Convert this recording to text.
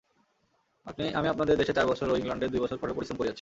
আমি আপনাদের দেশে চার বৎসর ও ইংলণ্ডে দুই বৎসর কঠোর পরিশ্রম করিয়াছি।